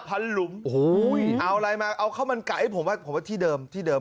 หลุมโอ้โหเอาอะไรมาเอาข้าวมันไก่ให้ผมว่าผมว่าที่เดิมที่เดิม